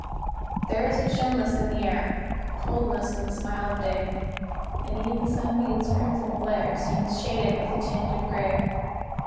There is a chillness in the air A coldness in the smile of day; And e'en the sunbeam's crimson glare Seems shaded with a tinge of gray.